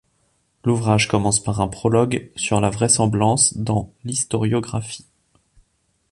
L'ouvrage commence par un prologue sur la vraisemblance dans l'historiographie.